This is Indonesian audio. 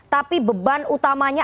tapi beban utamanya